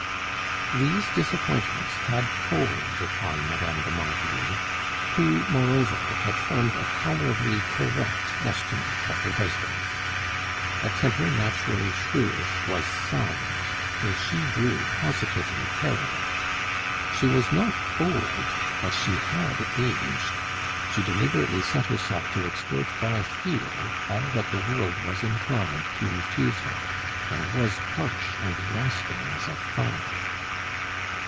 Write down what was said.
These disappointments had told upon Mme. de Marville, who, moreover, had formed a tolerably correct estimate of her husband. A temper naturally shrewish was soured till she grew positively terrible. She was not old, but she had aged; she deliberately set herself to extort by fear all that the world was inclined to refuse her, and was harsh and rasping as a file.